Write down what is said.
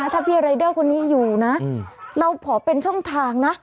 ถ้าพี่รายเดอร์คนนี้อยู่นะเราขอเป็นช่องทางนะ